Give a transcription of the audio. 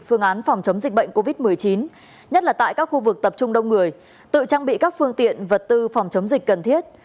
phương án phòng chống dịch bệnh covid một mươi chín nhất là tại các khu vực tập trung đông người tự trang bị các phương tiện vật tư phòng chống dịch cần thiết